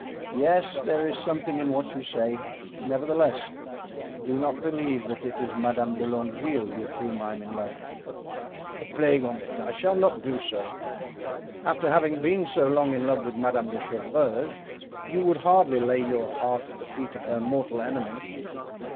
Yes, there is something in what you say; nevertheless, do not believe that it is Madame de Longueville with whom I am in love." "A plague on't! I shall not do so. After having been so long in love with Madame de Chevreuse, you would hardly lay your heart at the feet of her mortal enemy!"